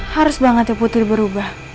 harus banget ya putri berubah